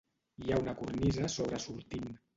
Hi ha una cornisa sobresortint.